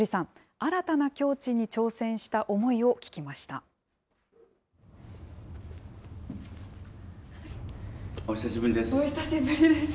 新たな境地に挑戦した思いを聞きお久しぶりです。